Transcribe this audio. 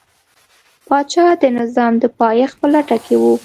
پاچا د نظام د پایښت په لټه کې و.